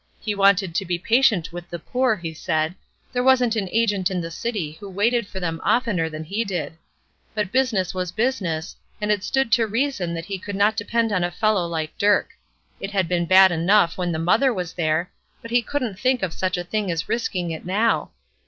He wanted to be patient with the poor, he said; there wasn't an agent in the city who waited for them oftener than he did; but business was business, and it stood to reason that he could not depend on a fellow like Dirk. It had been bad enough when the mother was there, but he couldn't think of such a thing as risking it now.